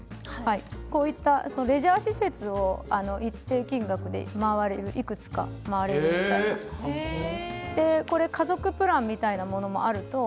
こういったレジャー施設を一定の金額でいくつか回れるものとか家族プランのようなものもあるんです。